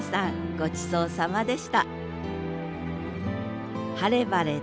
ごちそうさまでした！